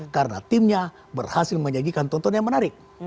karena timnya berhasil menyajikan tontonan yang menarik